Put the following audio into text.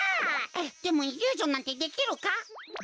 でもイリュージョンなんてできるか？